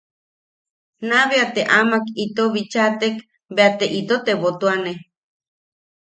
Naa bea te amak ito bichatek bea te ito tetebotuane.